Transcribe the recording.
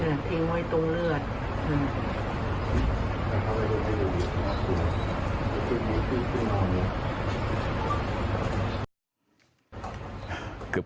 เหลือทิ้งไว้ตรงเลือด